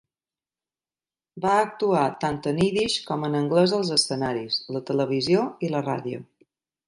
Va actuar tant en ídix com en anglès als escenaris, la televisió i la ràdio.